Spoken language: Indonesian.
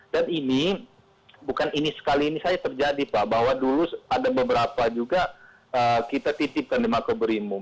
dan ini bukan ini sekali ini saja terjadi pak bahwa dulu ada beberapa juga kita titipkan di makubrimo